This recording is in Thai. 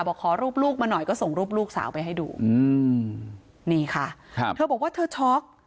ขอรูปลูกมาหน่อยก็ส่งรูปลูกสาวไปให้ดูอืมนี่ค่ะครับเธอบอกว่าเธอช็อก